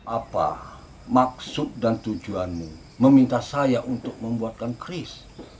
apa maksud dan tujuanmu meminta saya untuk membuatkan kris